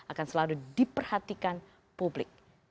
akan selalu diperhatikan publik